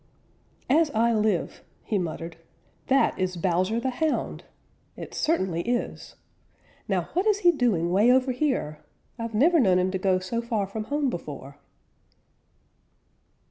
"As I live," he muttered, "that is Bowser the Hound! It certainly is. Now what is he doing way over here? I've never known him to go so far from home before."